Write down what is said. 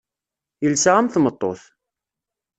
Yelsa am tmeṭṭut.